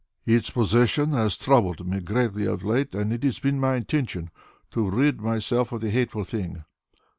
Its possession has troubled me greatly of late and it has been my intention to rid myself of the hateful thing.